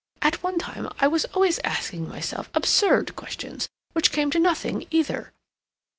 At one time I was always asking myself absurd questions which came to nothing either.